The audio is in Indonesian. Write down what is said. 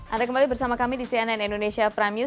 ada kembali bersama kami di cnn indonesia pranjur